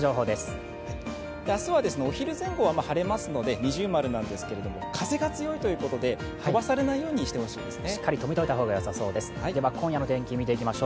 明日はお昼前後は晴れますので◎ですが、風が強いということで、飛ばされないようにしておきたいですね。